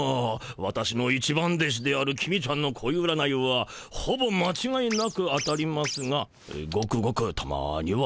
私の一番弟子である公ちゃんの恋占いはほぼまちがいなく当たりますがごくごくたまには。